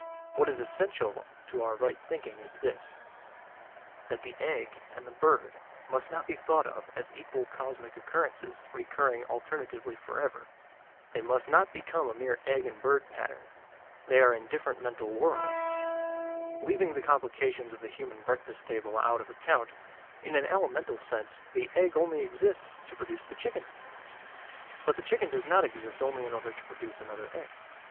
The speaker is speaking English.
What is essential to our right thinking is this: that the egg and the bird must not be thought of as equal cosmic occurrences recurring alternatively forever. They must not become a mere egg and bird pattern, like the egg and dart pattern. One is a means and the other an end; they are in different mental worlds. Leaving the complications of the human breakfast table out of account, in an elemental sense, the egg only exists to produce the chicken. But the chicken does not exist only in order to produce another egg.